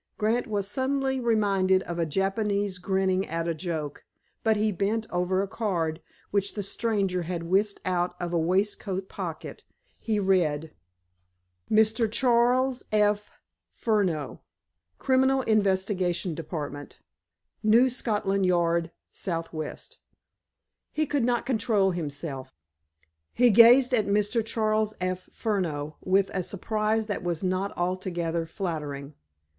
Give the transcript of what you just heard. Grant was suddenly reminded of a Japanese grinning at a joke, but he bent over a card which the stranger had whisked out of a waistcoat pocket. He read: Mr. Charles F. Furneaux, Criminal Investigation Department, New Scotland Yard, S.W. He could not control himself. He gazed at Mr. Charles F. Furneaux with a surprise that was not altogether flattering.